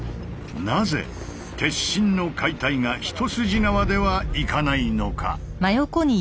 なぜ鉄心の解体が一筋縄ではいかないのか。